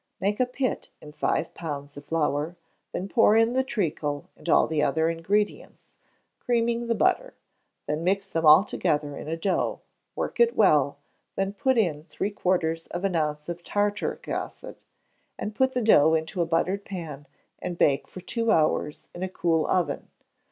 _ Make a pit in five pounds of flour; then pour in the treacle, and all the other ingredients, creaming the butter; then mix them altogether into a dough; work it well; then put in three quarters of an ounce of tartaric acid, and put the dough into a buttered pan, and bake for two hours in a cool oven.